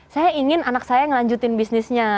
saya ingin anak saya melanjutin bisnisnya